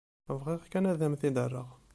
Bɣiɣ kan ad m-t-id-rreɣ.